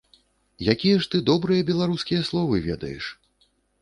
Якія ж ты добрыя беларускія словы ведаеш!